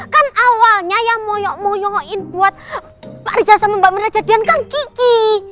kan awalnya yang moyok moyokin buat pak riza sama mbak mirna jadian kan gigi